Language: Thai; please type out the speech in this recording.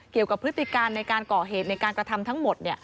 พฤติการในการก่อเหตุในการกระทำทั้งหมด